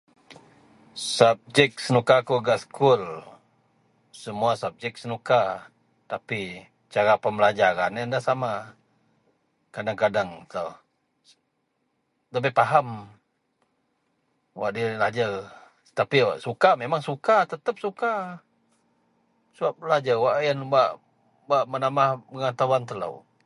subjek senuka kou gak skul, semua subjek senuka tapi cara pembelajaran ien da sama, kadang-kadang telou dabei faham wak dilajer tapi suka memang suka tetap suka sebab lajer wak ien bak- bak menambah pengetahuan telou